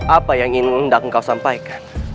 apa yang ingin dangkal sampaikan